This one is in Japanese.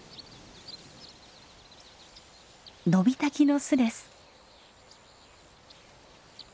ノビタキの巣です。